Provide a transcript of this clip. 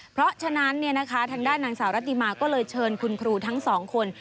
เพราะฉะนั้นทางด้านนางสาวรัติมาก็เลยเชิญคุณครูทั้งสองคน